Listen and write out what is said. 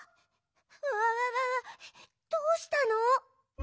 うわわわどうしたの！？